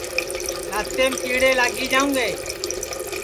دؔتیم کیڑے لاگی جاوں گے